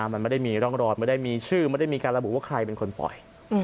มันไม่ได้มีร่องรอยไม่ได้มีชื่อไม่ได้มีการระบุว่าใครเป็นคนปล่อย